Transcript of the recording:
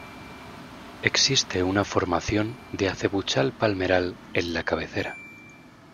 Existe una formación de acebuchal-palmeral en la cabecera.